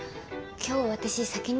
今日私先に。